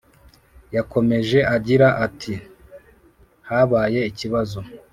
yakomeje agira ati “habaye ikibazo,